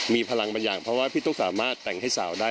มีพลังบางอย่างเพราะว่าพี่ต้องสามารถแต่งให้สาวได้